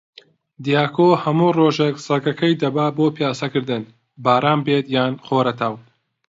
دیاکۆ هەموو ڕۆژێک سەگەکەی دەبات بۆ پیاسەکردن، باران بێت یان خۆرەتاو.